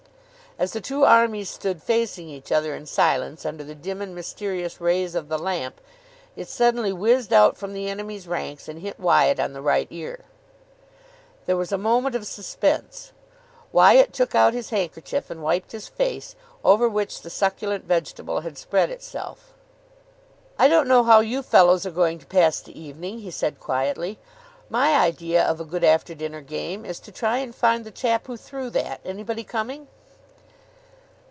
As the two armies stood facing each other in silence under the dim and mysterious rays of the lamp, it suddenly whizzed out from the enemy's ranks, and hit Wyatt on the right ear. There was a moment of suspense. Wyatt took out his handkerchief and wiped his face, over which the succulent vegetable had spread itself. "I don't know how you fellows are going to pass the evening," he said quietly. "My idea of a good after dinner game is to try and find the chap who threw that. Anybody coming?"